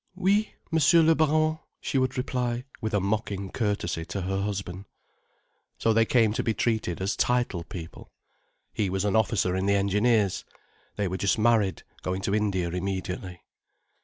"Oui, Monsieur le baron," she would reply with a mocking courtesy to her husband. So they came to be treated as titled people. He was an officer in the engineers. They were just married, going to India immediately.